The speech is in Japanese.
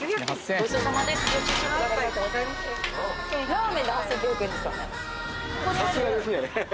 ラーメンで８，９００円ですか？